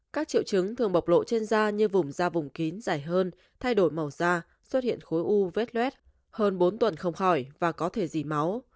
các triệu chứng thường bộc lộ trên da như vùng da vùng kín dài hơn thay đổi màu da xuất hiện khối u vết luet hơn bốn tuần không khỏi và có thể dì máu